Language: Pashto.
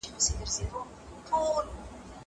زه به اوبه پاکې کړې وي!